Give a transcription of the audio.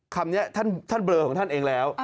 คำนี้ท่านเบลอของท่านเองแล้ว